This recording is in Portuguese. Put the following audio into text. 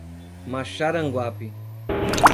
Maxaranguape